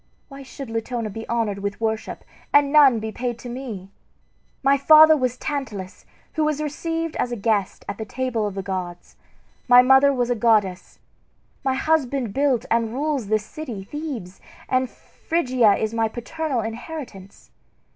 Why should Latona be honored with worship, and none be paid to me? My father was Tantalus, who was received as a guest at the table of the gods; my mother was a goddess. My husband built and rules this city, Thebes, and Phrygia is my paternal inheritance.